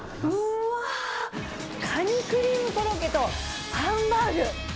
うわー、カニクリームコロッケとハンバーグ。